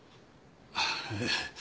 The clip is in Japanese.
ええ。